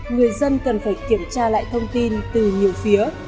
người dân cần phải kiểm tra lại thông tin từ nhiều phía